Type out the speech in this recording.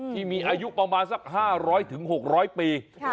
ที่มีอายุประมาณสัก๕๐๐๖๐๐ปี